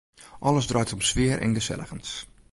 Alles draait om sfear en geselligens.